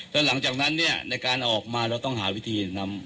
แล้วหลังจากนั้นเนี่ยในการออกมาเราต้องหาวิธีนำ